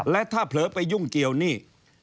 และถ้าเผลอไปยุ่งเกี่ยวหนี้